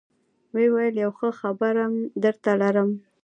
ويې ويل يو ښه خبرم درته لرم.